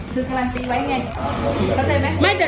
ถือการาศีไว้ไง